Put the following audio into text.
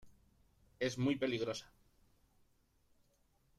¡ es muy peligrosa!